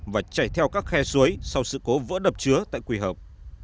và chạy theo các khe suối sau sự cố vỡ đập chứa tại quỳ hợp